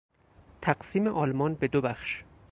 تقسیم آلمان به دو بخش